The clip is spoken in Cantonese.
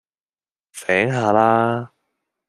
醒下啦